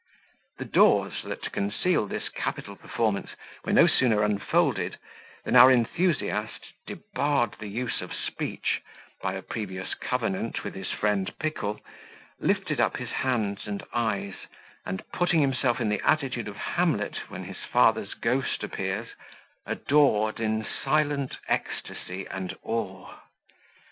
The doors that conceal this capital performance were no sooner unfolded, than our enthusiast, debarred the use of speech, by a previous covenant with his friend Pickle, lifted up his hands and eyes, and putting himself in the attitude of Hamlet, when his father's ghost appears, adored in silent ecstasy and awe.